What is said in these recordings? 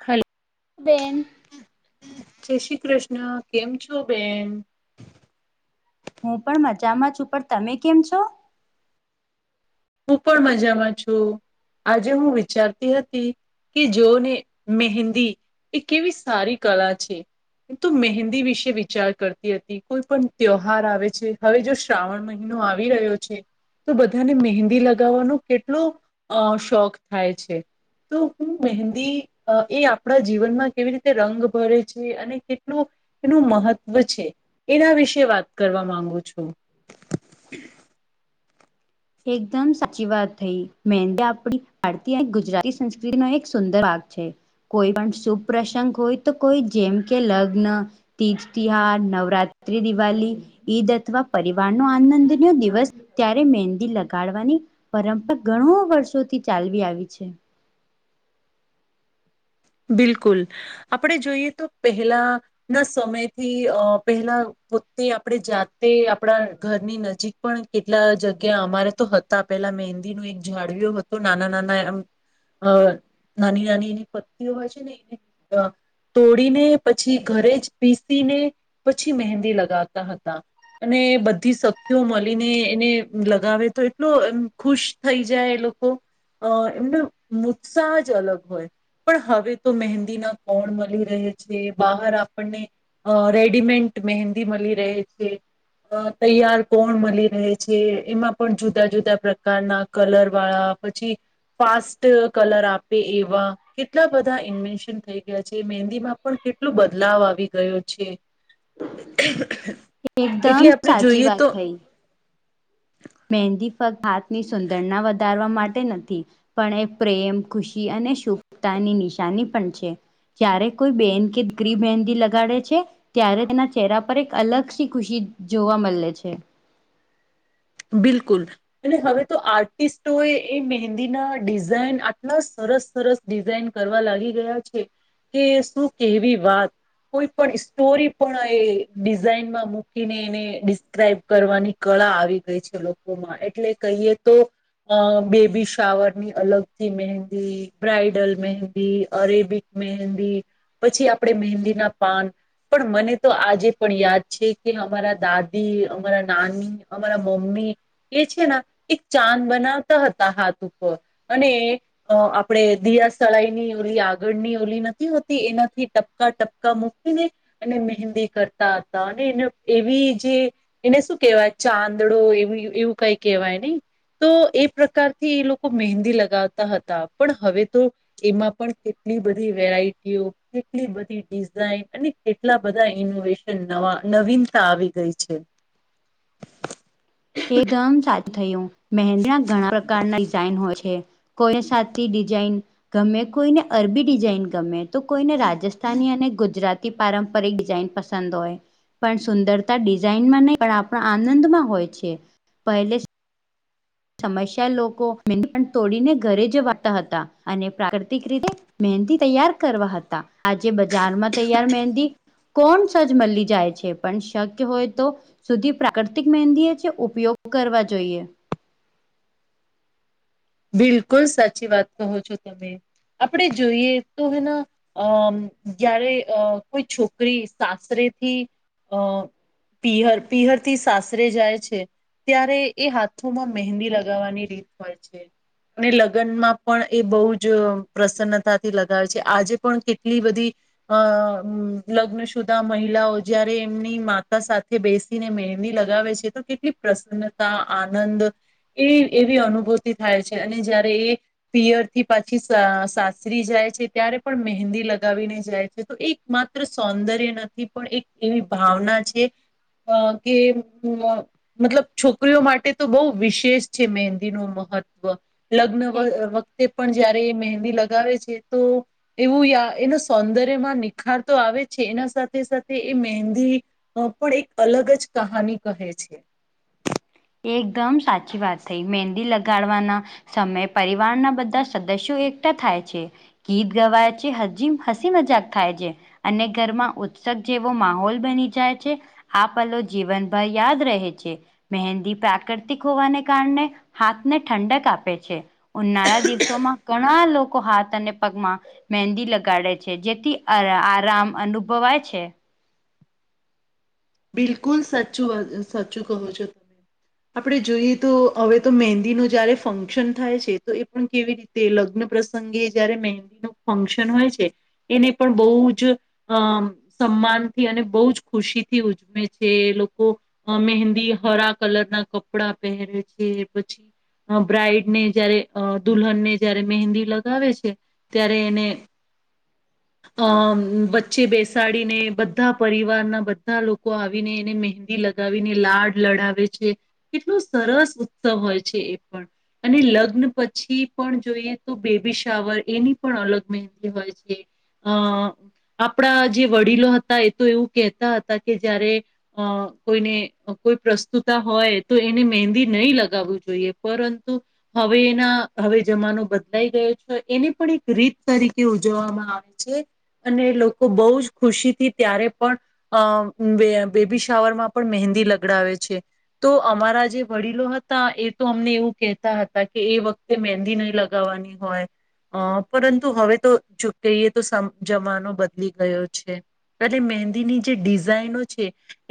હ બેન જય શ્રી કૃષ્ણ, કેમ છો બેન? હું પણ મજામાં છું, પણ તમે કેમ છો? હું પણ મજામાં છું, આજે હું વિચારતી હતી કે જોને મહેંદી એ કેવી સારી કલા છે. તો મહેંદી વિશે વિચાર કરતી હતી કોઈ પણ ત્યોહાર આવે છે, હવે જો શ્રા શ્રાવણ મહિનો આવી રહ્યો છે, તો બધાને મહેંદી હેંદી લગાવવાનો કેટલો અ શોખ થાય છે તો મહેંદી એ આપણા જીવનમાં કેવી રીતે રંગ ભરે છે અને કેટલું એનું મહત્વ છે એના વિશે વાત કરવા માંગુ છું. એકદમ સાચી વાત થઈ મહેંદી આપડી ભારતીય ગુજરાતી સંસ્કૃતિનો એક સુંદર ભાગ છે. કોઈ પણ શુભ પ્રસંગ હોય તો કોઈ જેમ કે લગ્ન તીજ તિહાર નવરાત્રી, દિવાલી ઈદ અથવા પરિવારનો આનંદનો દિવસ ત્યારે મેં હદી લગાડવાની પરંપરા ઘણો વર્ષોથી ચાલવી આવી છે. બિલકુલ આપડે જોઈએ તો પહેલાં ના સમયથી અ પેહલાં પોતે આપે જાતે આપણા ઘરની નજીક પણ કેટલા જગ્યા અમારે તો હ પેલા મહેંદીનો એક જાળવ્યું હતો નાનાં નાનાં એમ અ નાની નાની એની પત્નીઓ હોય છે ને એ તોડીને પછી ઘરે જ પીસીને પછી મહેંદી લગાવતાં હતાં. અને બધી સખીઓ મલીને એને લગાવે તો એટલો ખુશ થઈ જાય એ લોકો અ એમને ઉત્સાહ જ અલગ હોય. પણ હવે તો મહેંદીના કોણ મળી રહે છે બહાર આપણને. અ રેડીમેન્ટ મહેંદી મળી રહે છે. અ તૈયાર કોણ મલી રહે છે એમાં પણ જુદાં-જુદાં પ્રકારનાં કલરવાળા પછી ફાસ્ટ કલર આપે એવાં. કેટલા બધા ઈન્વેન્શન થઈ ગયાં છે મંહેદીમાં પણ કેટલો બદલાવ આવી ગયો છે. એટલે એકદમ આપણે સાચી જોઈએ વાત તો થઈ મહેંદી ફક્ત હાથની સુંદરના વધારવા માટે નથી. પણ એ પ્રેમ, ખુશી અને શુભતાની નિશાની પણ છે. જયારે કોઈ બેન કે દીકરી મહેંદી લગાડે છે. ત્યારે તેના ચહેરા પર એક અલગથી ખુશી જોવા મળે છે. બિલકુલ. અને હવે તો આર્ટિસ્ટોએ એ મહેંદીના ડિઝાઇન આટલાં સરસ સરસ ડિઝાઈન કરવા લાગી ગયા છે કે છે શું કેવી વાત! કોઈ પણ સ્ટોરી પણ એ ડિઝાઈનમાં મૂકીને એને ડિસ્ક્રાઈબ કરવાની કળા આવી ગઈ છે લોકોમાં એટલે કહીએ તો અ બેબી શાવરની અલગથી મહેંદી, બ્રાઇડલ મહેંદી, અરેબિક મહેંદી પછી આપણે મહેંદીના પાન. પણ મને તો આજે પણ યાદ છે કે અમારા દાદી, અમારા નાની, અ મારા મમ્મી એ છે ને એક ચાંદ બનાવતા હતાં હાથ ઉપર અને અ આપણે દિયાસળાઈની ઓલી આગળની ઓલી નથી હોતી એનાથી ટપ કા ટપકા મૂકીને ને મહેંદી કરતાં હતાં અને એને એવી જે એને શું કેહેવાય ચાંદડો એવી એવું કાઈ કેહવાય નઈ? તો એ પ્રકારથી એ લોકો મહેંદી લગાવતાં હતાં પણ હવે તો એમાં પણ કેટલી બધી વેરાયટીઓ, કેટલી બધી ડિઝાઈન અને કેટલા બધા ઈનોવેશન નવાં નવીનતા આવી ગઈ છે. એકદમ સાચું થયું મહેંદીના ઘણાં પ્રકારના ડિઝાઈન હોય છે. કોઈને સાતી ડિઝાઈન ગમે, કોઈને અરબી ડિઝાઈન ગમે. તો કોઈને રાજસ્થાની અને ગુજરાતી પારંપરિક ડિઝાઈન પસંદ હોય. પણ સુંદરતા ડિઝાઈનમાં નઈ પણ આપણા આનંદમાં હોય છે પહેલે સમસ્યા લોકો મંહેદી પણ થોડીને ઘરે જ ઉગાડતા હતાં અને પ્રાકૃતિક રીતે મહેંદી તૈયાર કરવા હતાં આજે બજારમાં તૈયાર મહેંદી કોનસ મલી જાય છે પન શક્ય હોય તો સુધી પ્રાકૃતિક મહેંદી એ છે ઉપયોગ કરવા જોઈએ. બિલકુલ સાચી વાત કહો છો તમે, આપણે જોઈએ તો હેના અમ્મ જ્યારે અહ કોઈ છોકરી સાસરેથી અહ પિહર, પિહર થી સાસરે જાય છે ત્યારે એ હાથોમાં મહેંદી લગાવવાની રીત હોય છે. ને લગ્નમાં પણ એ બોઉ જ અહ પ્રસન્નતાથી લગાવે છે આજે પણ કેટલી બધી અહ અમ્મ લગ્ન સુુદા મહિલાઓ જયારે એમની માતા સાથે બેસ ને મેહંદી લગાવે છે તો કેટલી પ્રસન્નતા આનંદ એ એવી અનુભૂતિ થાય છે અને જયારે એ પિયર થી પાછી સ-સાસરી જાય છે ત્યારે પણ મહેંદી લગાવીને જાય છે તો એક માત્ર સૌંદર્ય નથી પણ એક એવી ભાવના છે અહ કે બૂ અહ મતલબ છોકરીઓ માટે તો બોઉ વિશેષ છે મહેંદીનું મહ ત્વ લગ્ન વ-વખતે પણ જયારે મહેંદી લગાવે છે તો એવું યા એના સૌંદર્યમાં નિખાર તો આવે છે એના સાથે સાથે એ મહેંદી અહ પણ એક અલગ જ કહાની કહે છે. એકદમ સાચી વાત થઈ. મેહંદી લગાડવાના સમયે પરિવારના બધા સદસ્યો એકઠા થાય છે. ગીત ગવાય છે. હજી હસી મજાક થાય જે. અને ઘરમાં ઉત્સક જેવો માહોલ બની જાય છે. આ પલો જીવનભર યાદ રહે છે મેહન દી પ્રાકૃતિક હોવાને કારણે હાથને ઠંડક આપે છે. ઉનાળા દિવસોમાં ઘણા લોક કો હાથ અને પગમાં મહેંદી લગાડે છે જેથી અહ આરામ અનુભવાય છે. બિલકુલ સચું અહ સચું કહો છો. આપડે જોઈએ તો અવે તો મહેંદી નો જયારે ફંક્શન થાય છે તો એ પણ કેવી રીત તે લગ્ન પ્રસંગે જયારે મહેંદી નો ફંક્શન હોય છે એને પણ બોઉ જ અહ સમાનથી અને બોઉ જ ખુશી થી ઉજમે છે એ લોકો અહ મહેંદી હરા કલર ના કપડા પહેરે છે પછી અહ બ્રાઇડ ને જયારે અહ દુલ્હનને જયારે મહેંદી લગાવે છે ત્યારે એને અમ્મ વચ્ચે બેસાડીને બધા પરિવારના બ ધા લોકો આવીને એને મહેંદી લગાવીને લાડ લડાવે છે. કેટલું સરસ ઉત્સવ હોય છે એ પણ. અને લગ્ન પછી પણ જોઈએ તો બેબી શાવર એની પણ અલગ મહેંદી હોય છે. અહ આપડા જે વડીલો હતા એ તો એવું કહેતા હતા કે જયારે અહ કોઈને કોઈ પ્રસ્તુતા હોય તો એને મહેંદી નહીં લગાવવું જોઈએ પરંતુ હવે એના હવે જમાનો બદલાઈ ગયો છે એને પણ એક રીત તરીકે ઉજવામાં આવે છે. અને લોકો બહુ જ ખુશીથી ત્યારે પણ અહ બે અહ બેબી શાવર માં પણ મહેંદી લગડાવે છે. તો અમારા જે વડીલો હતા એ તો અમને એવું કેહેતા હતા કે એ વક તે મેહંદી નહી લગાવવાની હોય. અહ પરંતુ હવે તો જો કહીએ તો સમ જમાનો બદલી ગયો છે. તલે મહેંદીની જે ડિઝાઇનો છે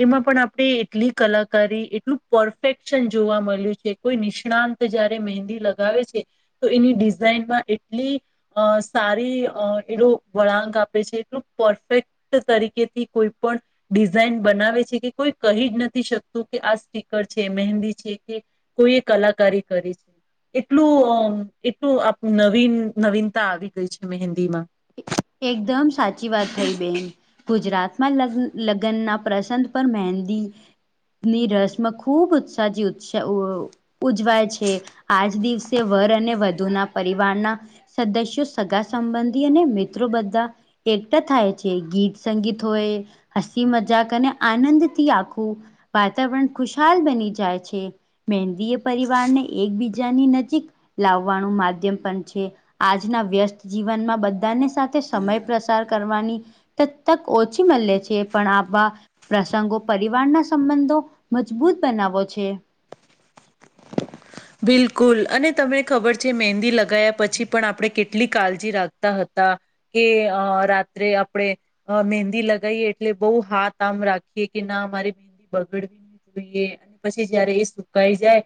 એમાં પણ આપડે એટલી કલાકારી એટલું પરફેક્શન જોવા મળ્યું છે કોઈ નિષ્ણાંત જયારે મહેંદી લગાવે છે તો એની ડિઝાઇનમાં એટલી અહ સારી અહ એડો વળાંક આપે છે એટલું પરફેક્ટ તરીકે થી કોઈ પણ ડિઝાઇન બનાવે છે કે કોઈ કહી જ નથી શકતું કે આ સ્ટીકર છે મહેંદી છે કે કોઈએ કલાકારી કરી છે. એટલું અહ એટલું આપ નવીન નવીનતા આવી ગઈ છે હિન્દી માં. એકદમ સાચી વાત થઈ બેન. ગુજરાતમાં લગ લગ્નના પ્રસંગ પર મહેંદી. ની રસમ ખૂબ ઉત્સાહ [unintelligible] ઉજવાય છે, આજ દિવસે વર અને વધુના પરિવારના. સદસ્યો સગા સંબંધી અને મિત્રો બધા. એકટા થાય છે, ગીત સંગીત હોય. હસી મજાક અને આનંદથી આખું વાતાવરણ ખુશાલ બની જાય છે. મંદી એ પરિવારને એકબીજાની નજીક. લાવવાનું માધ્યમ પણ છે, આજના વ્યસ્ત જીવનમાં બધાની સાથે સમય [unintelligible] [unintelligible] કરવાની [unintelligible] ઓછી મળે છે, પણ આ પ્રસંગો પરિવારના સંબંધો મજબૂત બનાવો છે. બિલકુલ અને તમને ખબર છે, મહેંદી લગાયા પછી પણ આપણે કેટલી [unintelligible] રાખતા હતા. કે અ રાત્રે આપણેે. અ મહેંદી લગીએ એટલે [unintelligible] હાથ આમ રાખીએ કે ના અમારે [unintelligible] ઈ અને પછી જયારે એ સુકાઈ જાય.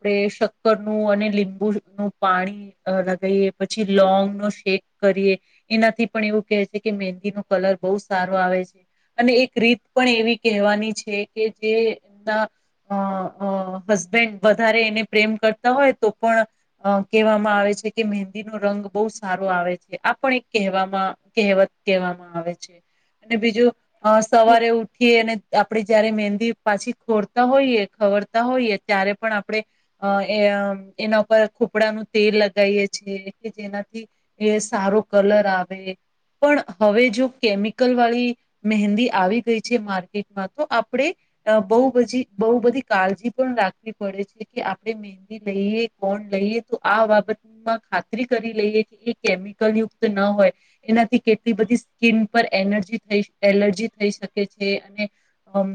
[unintelligible] શક્કર નું અને લીંબુ નું પાણી. અ લગીએ પછી લોંગ નો શેક કરીએ. એનાથી પણ એવું કહે છે, કે મહેંદી ન કલર બહુ સારો આવે છે. અને એક રીત પણ એવી કહેવાની છે, કે જે [unintelligible] અ હસબેન્ડ વધારે એને પ્રેમ કરતા હોય તો પણ. અ કહેવામાં આવે છે, કે મહેંદી નો રંગ બહુ સારો આવે છે, આ પણ એક કહેવામાં [unintelligible] કહેવામાં આવે છે, અને બીજું. અ સવારે ઉઠી અને આપડે જયારે મહેંદી પાછી ખોરતા હોઈએ ખબર. હોઈએ ત્યારે પણ આપ. આપણે એ એના ઉપર ખોપડાનું તેલ લગીએ છીએ કે જેનાથી. એ સારો કલર આવે પણ હવે જો કેમિકલ વાળી. મહેંદી આવી ગઈ છે, માર્કેટમાં તો આપણેે. અ બહુ બછી બહુ બધી કાળજી પણ રાખવી પડે છે, કે આપણે લઈએ કોણ લઈએ તો આ બાબત. માં ખાતરી કરી લઈએ કે એ કેમિકલ યુક્ત ન હોય. એનાથી કેટલી બધી સ્કીિન પર એનર્જી થઈ એલર્જી થઈ શકે છે, અને. અમ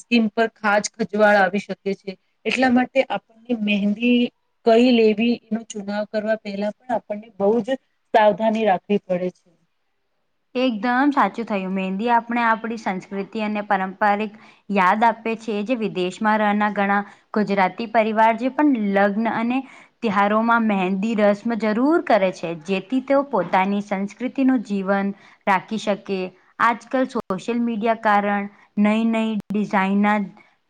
સ્કીન પર ખાજ ખજવાળ આવી શકે છે, એટલા મા તે આપણી મહેંદી. કઈ લેવી એનો ચુનાવ કરવા પહેલા પણ આપણને બહ જ. સાવધાની રાખવી પડે છે. એકદમ સાચું થયું મેહેંદી આપણે આપણી સંસ્કૃતિ અને પારંપારિક. યાદ આપે છે, જે વિદેશમાં રહેના ઘણા. ગુજરાતી પરિવાર જે પણ લગ્ન અને. તિહારોમાં મહેંદી રસ્મ જરૂર કરે છે જેથી તેઓ પોતાની સંસ્કૃતિનું જીવન. [unintelligible] શકે. અજ કલ સોશલ મીડિયા કારણ નઈ નઈ ડિઝઇના.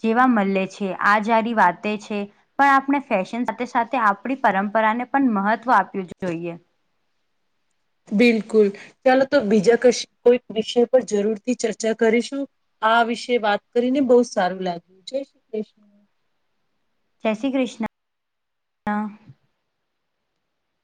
જેવા મળે છે, આ જારી વાતે છે. પણ આપણે ફેશન સાથે સાથે આપણી પરંપરાને પણ મહત્વ આપ્યું જોઈએ. બિલકુલ ચાલો તો બીજા કશ કોઈ વિષય પર જરૂરથી ચર્ચા કરીશું. આ વિશે વાત કરીને બહુ સારું લાગ્યું છે, [unintelligible] જય શ્રી કૃષ્ણ.